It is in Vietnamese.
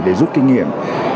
để giúp kinh nghiệm